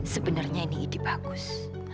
sebenarnya ini idy bagus